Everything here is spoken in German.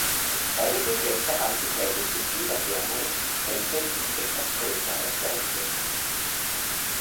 Beide Geschlechter haben die gleiche Gefiederfärbung, Männchen sind etwas größer als Weibchen.